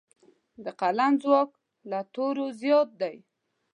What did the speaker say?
د قلم ځواک له تورو زیات دی.